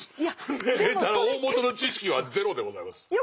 だから大本の知識はゼロでございます。